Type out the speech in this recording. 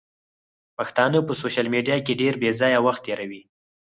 پښتانه په سوشل ميډيا کې ډېر بېځايه وخت تيروي.